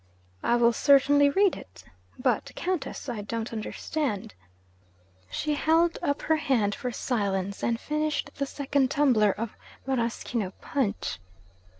'I will certainly read it. But, Countess, I don't understand ' She held up her hand for silence, and finished the second tumbler of maraschino punch.